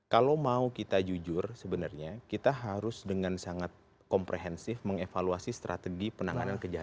kalau mau kita jujur sebenarnya kita harus dengan sangat komprehensif mengevaluasi strategi penanganan kejahatan